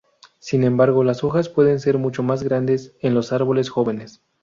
Sin embargo, las hojas pueden ser mucho más grandes en los árboles jóvenes.